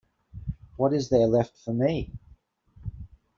What is there left for me?